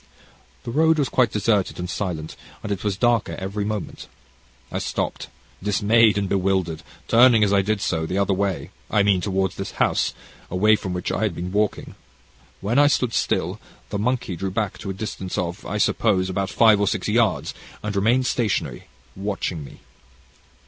"The road was quite deserted and silent, and it was darker every moment. I stopped dismayed and bewildered, turning as I did so, the other way I mean, towards this house, away from which I had been walking. When I stood still, the monkey drew back to a distance of, I suppose, about five or six yards, and remained stationary, watching me.